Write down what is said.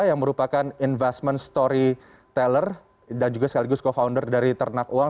yang merupakan investment story teller dan juga sekaligus co founder dari ternak uang